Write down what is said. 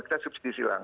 kita subsidi silang